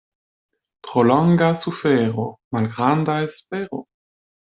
Tro longa sufero — malgranda espero.